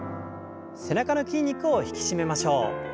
背中の筋肉を引き締めましょう。